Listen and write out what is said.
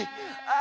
あ！